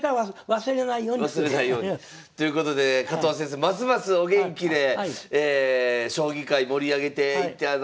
忘れないように。ということで加藤先生ますますお元気で将棋界盛り上げていただきたいと思います。